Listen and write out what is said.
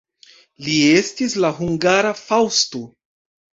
Li estis la hungara Faŭsto.